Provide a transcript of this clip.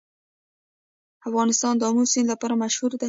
افغانستان د آمو سیند لپاره مشهور دی.